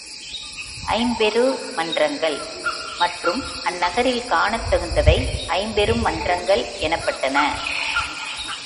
ஐம்பெரு மன்றங்கள் மற்றும் அந்நகரில் காணத் தகுந்தவை ஐம்பெரும் மன்றங்கள் எனப்பட்டன.